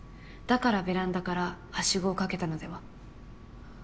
だからベランダからハシゴを掛けたのでは？